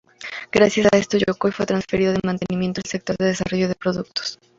Gracias a esto, Yokoi fue transferido de mantenimiento al sector de desarrollo de productos.